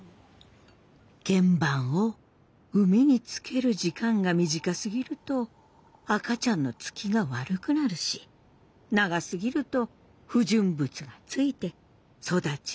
原盤を海につける時間が短すぎると赤ちゃんのつきが悪くなるし長すぎると不純物がついて育ちが悪くなるのです。